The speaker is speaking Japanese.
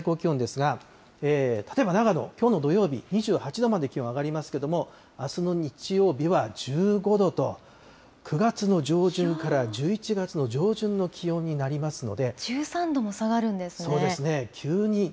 予想最高気温ですが、例えば長野、きょうの土曜日２８度まで気温上がりますけれども、あすの日曜日は１５度と、９月の上旬から１１月の上旬の気温になりますので。